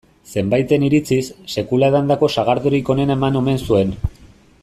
Zenbaiten iritziz, sekula edandako sagardorik onena eman omen zuen.